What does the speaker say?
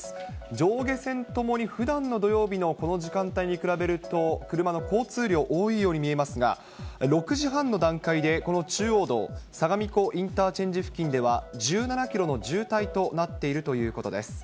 上下線ともにふだんの土曜日のこの時間帯に比べると、車の交通量、多いように見えますが、６時半の段階で、この中央道、相模湖インターチェンジ付近では、１７キロの渋滞となっているということです。